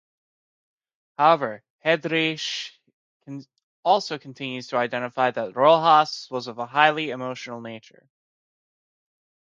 However, Hedderich also continues to identify that Rojas was of a highly emotional nature.